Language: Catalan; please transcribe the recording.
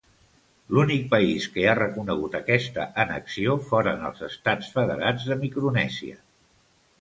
L'únic país que ha reconegut aquesta annexió foren els Estats Federats de Micronèsia.